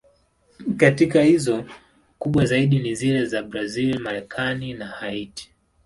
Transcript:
Katika hizo, kubwa zaidi ni zile za Brazil, Marekani na Haiti.